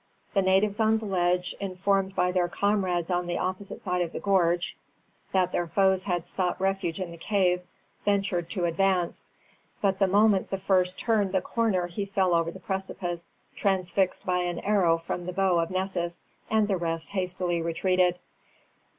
The natives on the ledge, informed by their comrades on the opposite side of the gorge that their foes had sought refuge in the cave, ventured to advance; but the moment the first turned the corner he fell over the precipice, transfixed by an arrow from the bow of Nessus, and the rest hastily retreated.